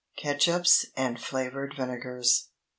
CATSUPS AND FLAVORED VINEGARS.